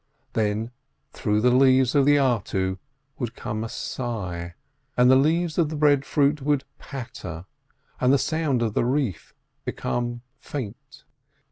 Then through the leaves of the artu would come a sigh, and the leaves of the breadfruit would patter, and the sound of the reef become faint.